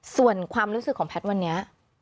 ส่วนความรู้สึกของแพทย์วันนี้